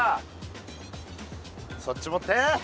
そっち持って！